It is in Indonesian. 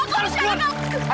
lepasin tangan aku aku berusia